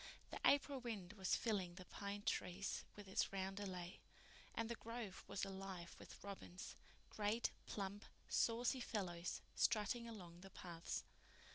The April wind was filling the pine trees with its roundelay, and the grove was alive with robins—great, plump, saucy fellows, strutting along the paths.